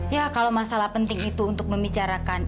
ya kalau masalah penting itu untuk membicarakan